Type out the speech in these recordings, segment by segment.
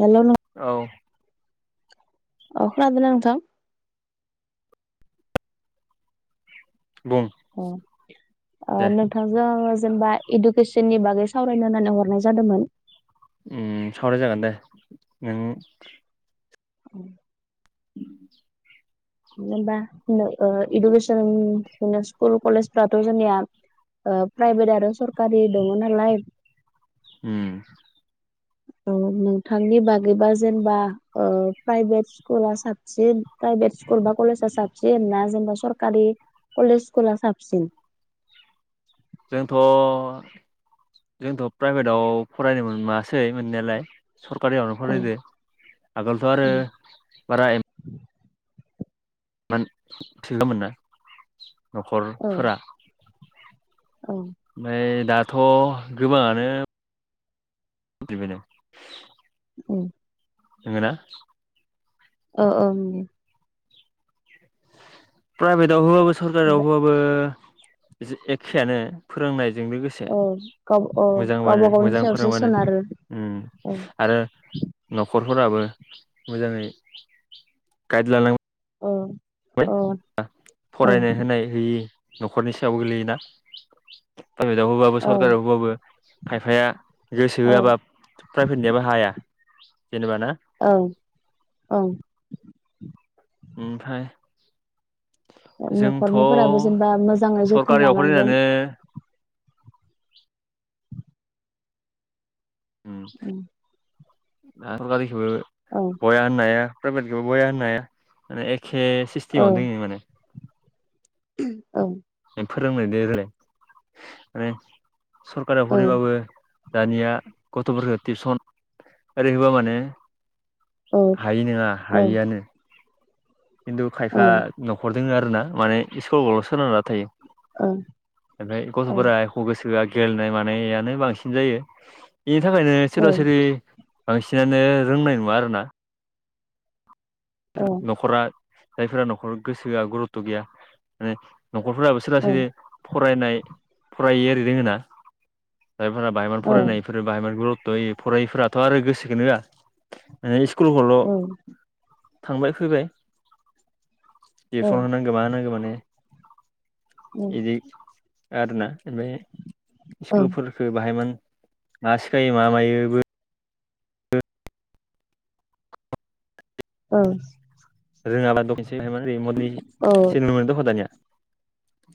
Hello औ खोनादों ना नोंथां? बुं अ दे नोंथांजों आङो जेनेबा इडुकेसननि बागै सावरायनो होननानै हरनाय जादोंमोन। सावराय जागोन दे नों औ उम जेनबा इडुकेसन स्कुल कलेजफोरावथ' जोंनिया प्राइभेट आरो सरकारि दङ नालाय उम नोंथांनि बागैबा जेनेबा प्राइभेट स्कुला साबसिन प्राइभेट स्कुल बा कलेजा साबसिन ना जेनेबा सरकारि कलेज स्कुला साबसिन? [inaudible] जोंथ' जोंथ' प्राइभेटाव फरायनो मोनासै मोननायालाय सरकारियावनो औ फरायदो आगोलथ' औ आरो बारा [unintelligible] औ न'खरफोरा [unintelligible] औ दा थ' गोबाङानो [unintelligible] औ नोंगौना औ औ नंगौ प्राइभेटआव होबाबो सरकारियाव होबाबो एखेयानो फोरोंनाय नोंनि गोसो औ गाव औ मोजांबानो गावबा गावनि मोजां सायावसो फोरोंबानो सोनारो ओम औ आरो न खरफोराबो मोजाङै गाइड लानांगौ औ औ औ फरायनाय होनाय होयि न'खरनि सायाव गोलैयोना प्राइभेटआव होबाबो औ सरकारियाव होबाबो खायफाया गोसो होआबा औ प्राइभेटनियाबो हाया [inaudible] ओं ओं ओमफ्राय जोंथ' न'खरनिफोराबो जेनेबा मोजाङै जोथोन सरकारियाव लानांगोन फरायनानै औ [unintelligible] बया औ होननो हाया प्राइभेटखौबो बया होननो हाया माने एखे औ सिस्टिमावनो दोङो माने औ फोरोंनाय दोलाय माने सरकारा औ फरायबाबो दानिया गथ'फोरखौ टिउसन ओरै होबा माने औ हायि नोङा औ हायिआनो खिन्थु औ खायफा न'खर दोङो आरो ना माने स्कुलावल' सोरोनारना थायो औ ओमफ्राय गथफोरा एख गोसो होआ गेलेनाय मानायानो बांसिन जायो इनि थाखायनो औ सोरबा सोरनि बांसिनानो रोंनाय नङा आरोना औ न'खरा जायफोरा न'खर गोसो होआ गुरुथ गैया माने न'खरफोराबो सोरबा सोरबि फरायनाय फरायै ओरै दोङो ना जायफोरा बाहायमान औ फरायनायफोर बाहाय बाहाय गुरुत' हो फरायिफोराथ' आरो गोसोखोनो होआ स्कुलखोल' थांबाय फैबाय [unintelligible] इदि आरोना ओमफ्राय स्कुलफोरखो बाहाय मान मा सिखायो मा मायो ओं रोङाब्ला दखनोसै ओरै मलि [unintelligible] सलि मोनो दख दानिया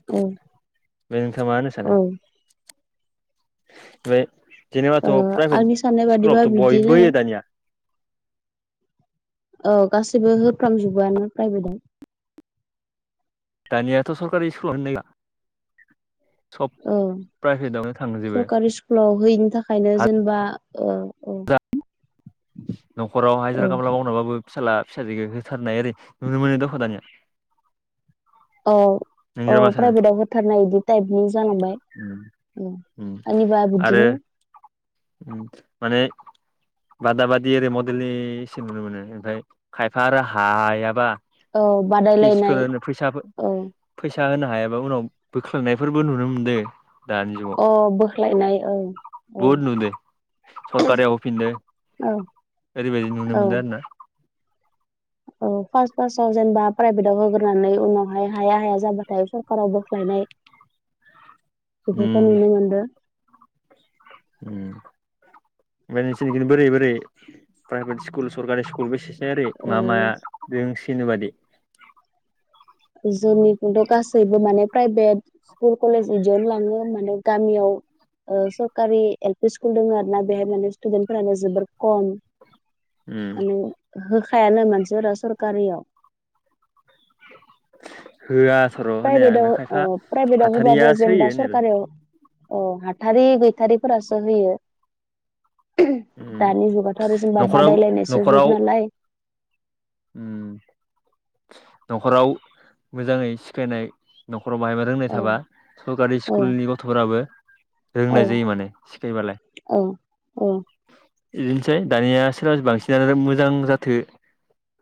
औ नोंथां मा होननो सानो ओ ओमफाय जेनेबाथ' प्राइभेट आंनि साननाय बादिबा स्कुलावथ' बिदिनो बयबो होयो दानिया औ गासैबो होफ्रामजोबोआनो प्राइभेटआव दानियाथ' सरकारि स्कुलाव [unintelligible] औ प्राइभेटावनो थांजोबो सरकारि स्कुलाव होयिनि था खायनो जेनबा ओ ओ न'खराव हाजिरा खामला मावनाबाबो फिसाला फिसाजोखो होथारनाय ओरै नुनो मोनो दख' दानिया औ औ नोंनिबा मा सानो प्राइभेटव होथारनाय इदि टाइपनि जानां उम उम आनिबा आरो बिदिनो माने बादा बादि ओरै मडेलनि इसे नुनो मोनो ओमफ्राय खायफा आरो हायाबा औ बादायलायनाय फिसफोर फैसा औ फै सा होनो हायाबा उनाव बोख्लांनायफोरबो नुनो मोनदों। अ बोख्लायनाय औ औ बहुद नुदो सरकारियाव होफिनदों औ ओरैबायदि नुनो औ मोनदों आरो ना औ फार्स्ट फार्स्ट जेनेबा प्राइभेटाव होग्रोनानै उनावहाय हाया हाया जाबाथाय सरकाराव बोख्लाय नाय बेफोरखौ नुनो मोनदों बे नोंसोरनि बोरै बोरै प्राइभेट स्कुल सरकारि स्कुल बेसेसै ओरै मा माया ओ जों बेबादि जोंनिखौथ' गासैबो माने प्राइभेट स्कुल कलेज इदियावनो लाङो माने गामियाव ओ सरकारि एल पि स्कुल दङ आरो ना बेहाय माने स्टुदेन्टफोरानो जोबोद खम उम माने होखायानो मानसिफोरा सरकारियाव होआ सर' होनाया प्राइभेटाव ओमफ्राय खायफा ओ प्राइभेटाव होबाबो हाथारियासो होयो जेनेबा होनायालाय सरकारियाव अ हाथारि गैथारिफोरासो होयो। उम दानि जुगाथ' आरो जेनेबा न'खराव बादायलायनायसो जुग न'खराव नालाय उम न'खराव मोजाङै सिखायनाय न' खराव बायबा रोंनाय औ थाबा सरकारि औ स्कुलनि गथ'फोराबो औ रोंनाय जायो माने सिखायबालाय औ औ इदिनोसै दानिया सोरबा बांसिनानो मोजां जाथो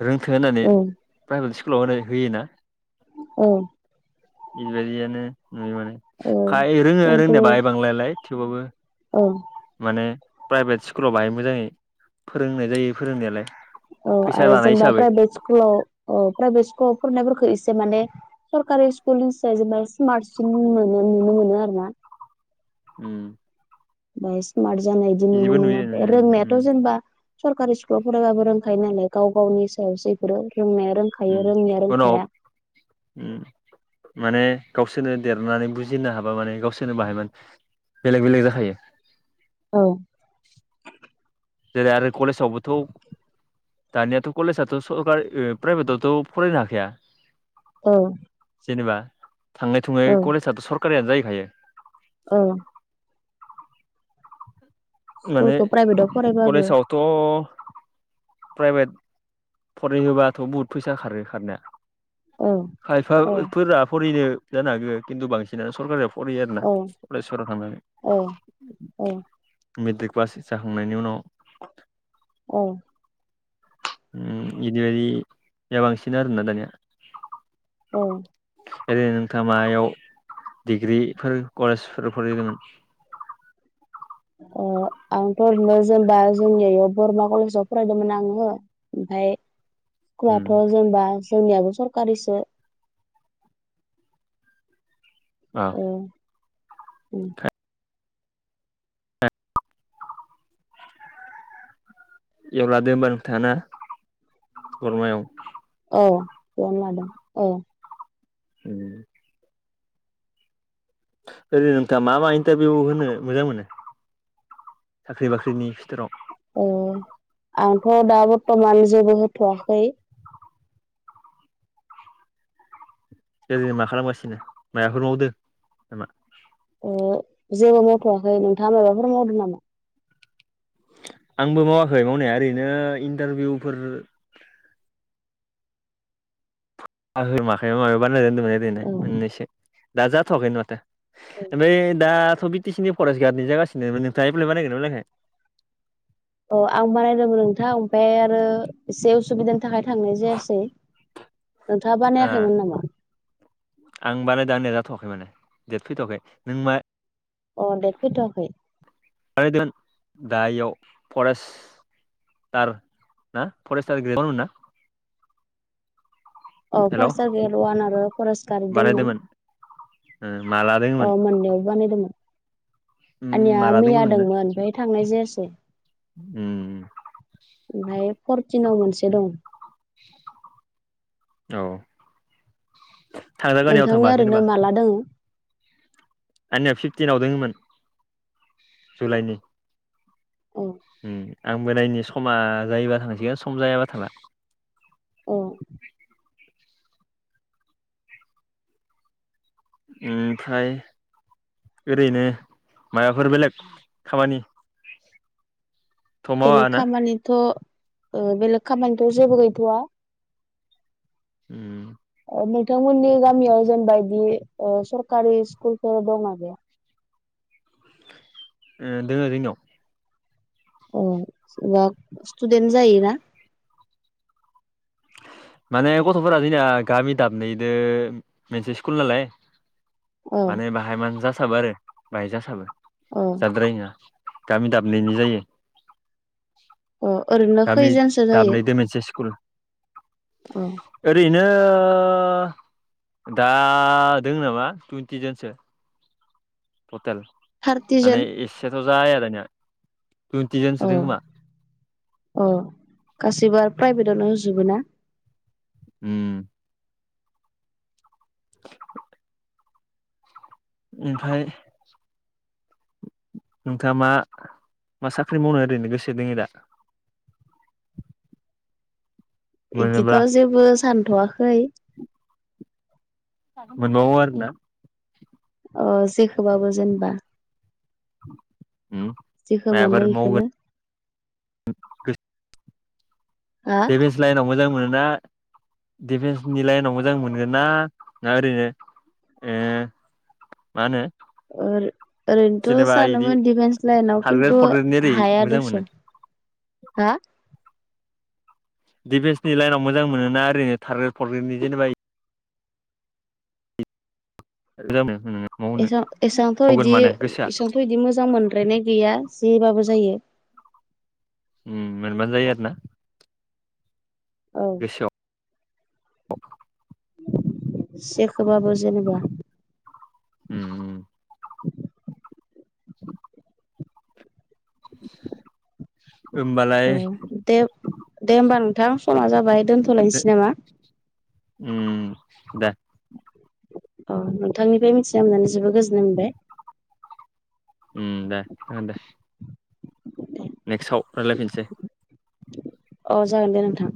रोंथौ होननानै प्राइभेट स्कुलाव होनो होयोना? औ बेबायदियानो नुयो माने औ खाय रोङो खिन्थु रोंनाया बाहाय बांलायालाय थेवबाबो औ माने प्राइभेट स्कुलाव बाहाय मोजाङै फोरोंनाय जायो फोरोंनायालाय औ फैसा आरो लानाय जेनेबा हिसाबै प्राइभेट स्कुलाव औ प्राइभेट स्कुलाव फरायनायफोरखौ एसे माने सरकारि स्कुलसायसो बाय स्मार्ट सिन नुनो मोनो आरो ना उम ओमफ्राय स्मार्ट जानाय बिदि बिदिबो नुनो मोनो नुयो ओमफ्राय नुनाया रोंनायाथ' उम जेनबा सरकारि स्कुलाव फरायबाबो रोंखायो नालाय गाव गावनि सायावसो इफोरो रोंनाया रोंखायो उम रोङिया उनाव रोंखाया उम माने गावसोरनो देरनानै बुजिनो हाबा माने गावसोरनो बाहाय माने बेलेग बेलेग जाखायो औ जेरै आरो कलेजावबोथ' दानियाथ' कलेजाथ' सरकारि प्राइभेटआवथ' फरायनो हाखाया औ जेनेबा थाङै थुङै कलेजआथ' सरकारियानो जाहैखायो औ माने स्कुलखौ प्राइभेटाव फरायबाबो कलेजावथ' प्राइभेट फरायहोबाथ' बहुद फैसा खारो खारनाया औ औ खायफाफोरा फरायनो जानो हागौ खिन्थु बांसिनानो सरकारियाव फरायो आरोना औ कलेजफोराव औ औ थांनानै मेट्रिक पास जाखांनायनि उनाव औ ओम बिदि बायदि बांसिन आरो ना दानिया औ ओरैनो नोंथाङा मायाव डिग्रिफोर कलेजफोर फरायदोंमोन? [inaudible] अह आंथ' ओरैनो जेनेबा जोंनि बरमा कलेजाव फरायदोंमोन आङो ओमफ्राय स्कुलाथ' जेनेबा जोंनियाबो सरकारिसो औ ओ ओम एवलादो होनबा नोंथाङा ना बर्मायाव औ बेयावनो लादों औ ओम ओरै नोंथाङा मा मा इन्टारभिउ होनो मोजां मोनो साख्रि बाख्रिनि फिथोराव अह आंथ' दा बर्थमान जेबो होथ'वाखै। मा खालामगासिनो मायाफोर मावावदो नामा? ओ जेबो मावथ'वाखै। नोंथाङा माबाफोर मावदों नामा? आंबो मावाखै मावनाया ओरैनो इन्टारभिउफोर आंङो माखैबा माखैबा बानायनानै दोनदोंमोन ओरैनो औ मोननैसो दा जाथ'वाखैनो माथो ओमफाय दा बि टि सि नि फरेस्ट गार्डनि जागासिनोमोन। नोंथाङा एप्लाइ बानायगोन ना बानायाखै? अ आं बानायदोंमोन नोंथां। ओमफ्राय आरो एसे उसुबिदानि थाखाय थांनाय जायासै। नोंथाङा ओ बानायाखैमोन नामा? आं बानायदों आंनिया फैथ'वाखै माने डेट फैथ'वाखै नों मा अ देत फैथ'वाखै [unintelligible] दा इयाव फरेस्ट थार ना फरेस्टार ग्रेदवान मोनना? अ फरसा ग्रेद वान आरो फरेस गार दंमोन। बानायदोंमोन माला दोङोमोन औ मोननैयावबो बानायदोंमोन। आनिया माला मिया दोङोमोन दंमोन आमफाय थांनाय जायासै। ओम ओमफ्राय फरटिनाव मोनसे दं। औ थांजागोन बेयाव नोंथांनिया थांबा ओरैनो जेनेबा। माला दोङो? आंनिया फिफ्टिनाव दङमोन। अ जुलाइनि अ ओम आंबो नायनि समा जायोबा थांसिगोन सम जायाबा थांला। अ ओमफ्राय ओरैनो मायबाफोर बेलेग खामानि बेलेग खामानिथ' ओ बेलेग खामानिथ' जेबो गैथ'वा। उम ओ नोंथांमोननि गामियाव जेनबा इदि सरकारि स्कुलफोर दंना गैया? ओ दोङो जोंनियाव। औ जेनबा स्टुदेन्ट जायोना? माने गथ'फोरा जोंनिया गामि दाबनैदो मोनसे स्कुल नालाय ओ माने बाहाय मानसि जासाबो आरो बाहाय जासाबो ओ जाद्रायि नोङा। गामि दाबनैनि जायो। अ ओरैनो गामि खैजोनसो जायो? दाबनैदो मोनसे स्कुल अ ओरैनो ओ दा दोङो नामा टुइन्टि जोनसो ट'टेल थार्टिजोन माने एसेथ' जाया दानिया टुइन्टि जनसो औ दों खोमा औ गासिबो आरो प्राइभेटआवनो होजुबो ना। उम [inaudible] ओमफ्राय नोंथाङा मा मा साख्रि मावनो ओरैनो गोसो दङो दा? [inaudible] मोनोब्ला बिदिथ' जेबो सानथ'वाखै। मोनबावो आरो ना। अ जेखोबाबो जेनबा उम मोनो माइबाफोर मावगोन इखोनो हा डिभेन्स लाइनाव मोजां मोनोना दिफेन्सनि लाइनाव मोजां मोनगोन ना ना ओरैनो ओ मा होनो ओ ओरैनोथ' जेनेबा इदि सानोमोन डिफेन्स लाइनाव खारग्रेद खिन्थु फरग्रेदनि ओरै हाया मोजां दस'। मोनो हा डिफेन्सनि लाइनाव मोजां मोनोना ओरैनो थारग्रेट फरग्रेटनि जेनेबा [unintelligible] मावनो एसां एसांथ' मावगोन इदि माने गोसोआ एसांथ' इदि मोजां मोनद्रायनाय गैया। जेबाबो जायो। उम मोनबानो जायो आरो ना? औ [inaudible] सेखोबाबो जेनेबा। उम उम होमबालाय औ दे दे होमबा नोंथां समा जाबाय दोनथ'लायनिसै नामा? उम दे। अ नोंथांनिफ्राय मिथिना मोननानै जोबोद गोजोननाय मोनबाय। उम दे खोनादो दे। नेक्स्टआव रायलायफिनसै। अ जागोन दे नोंथां।